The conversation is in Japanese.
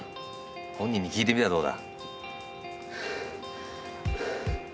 本人に聞いてみたらどうだ？